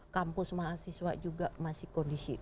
kampus mahasiswa juga masih kondisi